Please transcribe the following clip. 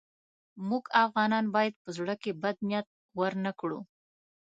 موږ افغانان باید په زړه کې بد نیت ورنه کړو.